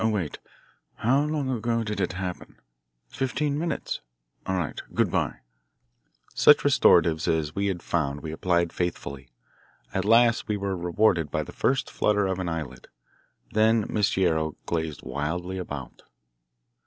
Oh, wait. How long ago did it happen? Fifteen minutes? All right. Good bye." Such restoratives as we had found we applied faithfully. At last we were rewarded by the first flutter of an eyelid. Then Miss Guerrero gazed wildly about.